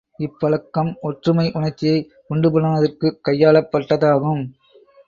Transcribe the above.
இப்பழக்கம் ஒற்றுமை உணர்ச்சியை உண்டு பண்ணுவதற்குக் கையாளப் பட்டதாகும்.